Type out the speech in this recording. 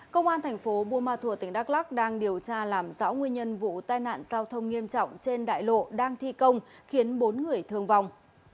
công an thành phố buôn ma thuột tỉnh đắk lắc đang điều tra làm rõ nguyên nhân vụ tai nạn giao thông nghiêm trọng trên đại lộ đang thi công khiến bốn người thương vong